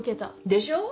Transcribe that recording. でしょう？